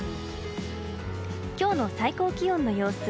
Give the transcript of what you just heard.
今日の最高気温の様子。